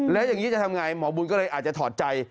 แล้วอย่างนี้จะทำไงหมอบุญก็เลยอาจจะถอดใจ